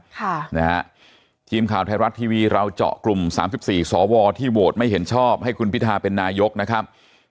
ทีมข่าวไทยรัตน์ทีวีเราเจาะกลุ่ม๓๔สอวรที่โหวตไม่เห็นชอบให้คุณพิธาเป็นนายกนะครับ